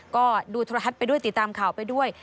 ก็ดูโทรทัศน์ไปด้วยติดตามข่าวไปด้วย